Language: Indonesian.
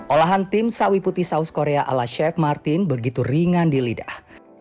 olahan tim sawi putih saus korea ala chef martin begitu ringan di lidah